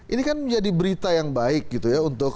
ini kan menjadi berita yang baik gitu ya untuk